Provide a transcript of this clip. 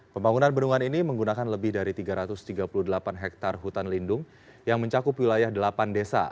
pembangunan bendungan ini menggunakan lebih dari tiga ratus tiga puluh delapan hektare hutan lindung yang mencakup wilayah delapan desa